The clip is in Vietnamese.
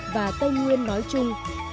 và tây nguyên nói chung